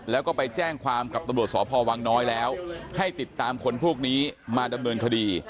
แล้วก็ไปแจ้งความกับตำรวจสพวังน้อยแล้วให้ติดตามคนพวกนี้มาดำเนินคดี